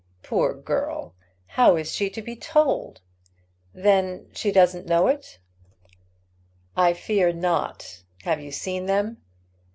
Poor girl! how is she to be told?" "Then she does not know it?" "I fear not. Have you seen them?"